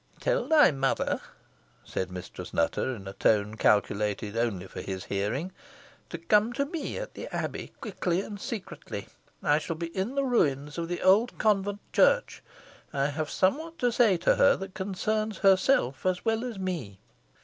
"Tell thy mother," said Mistress Nutter, in a tone calculated only for his hearing, "to come to me, at the Abbey, quickly and secretly. I shall be in the ruins of the old convent church. I have somewhat to say to her, that concerns herself as well as me.